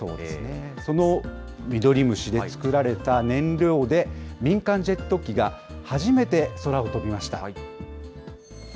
そのミドリムシで作られた燃料で、民間ジェット機が初めて空を飛びました。